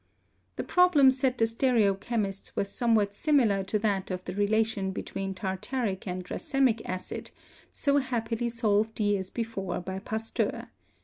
The problem set the stereochemists was some what similar to that of the relation between tartaric and racemic acid, so happily solved years before by Pasteur.